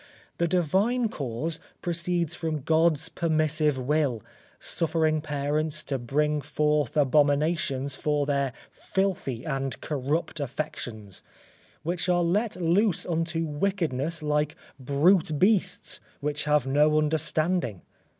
The divine cause proceeds from God's permissive will, suffering parents to bring forth abominations for their filthy and corrupt affections, which are let loose unto wickedness like brute beasts which have no understanding.